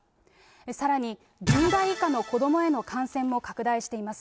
さらに、１０代以下の子どもへの感染も拡大しています。